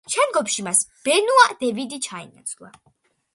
შემდგომში მას ბენუა დევიდი ჩაენაცვლა.